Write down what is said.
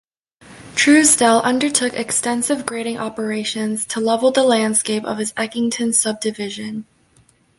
Truesdell undertook extensive grading operations to level the landscape of his Eckington subdivision.